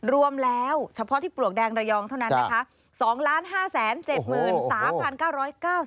รวมแล้วเฉพาะที่ปลวกแดงระยองเท่านั้นนะคะ